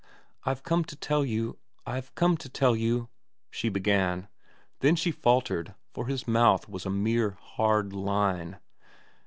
I've come to tell you I've come to tell you ' she began. Then she faltered, for his mouth was a mere hard line.